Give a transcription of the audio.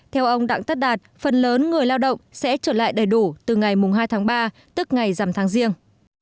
theo ông đặng tất đạt phần lớn người lao động sẽ trở lại đầy đủ từ ngày hai tháng ba tức ngày dằm tháng riêng